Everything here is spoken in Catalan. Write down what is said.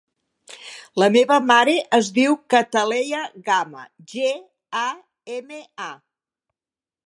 La meva mare es diu Cataleya Gama: ge, a, ema, a.